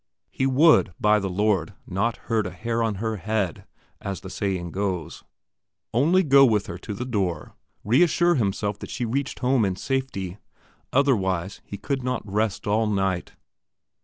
He would, by the Lord, not hurt a hair on her head, as the saying goes only go with her to her door, reassure himself that she reached home in safety, otherwise he could not rest all night.